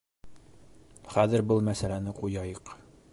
Хәҙер был мәсьәләне ҡуяйыҡ.